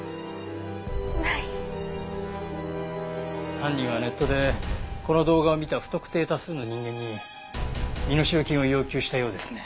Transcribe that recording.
犯人はネットでこの動画を見た不特定多数の人間に身代金を要求したようですね。